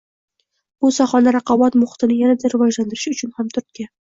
Bu sohani, raqobat muhitini yanada rivojlantirish uchun katta turtki